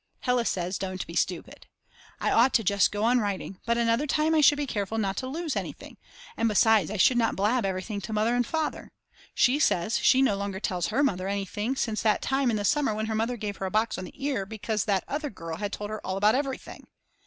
Hella says: Don't be stupid; I ought just to go on writing; but another time I should be careful not to lose anything, and besides I should not blab everything to Mother and Father. She says she no longer tells her mother anything since that time in the summer when her mother gave her a box on the ear because that other girl had told her all about everything.